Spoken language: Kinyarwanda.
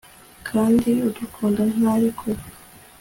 kandi udukunda ntari kure